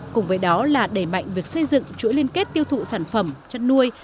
cùng với đó là đẩy mạnh việc xây dựng chuỗi liên kết tiêu thụ sản phẩm chăn nuôi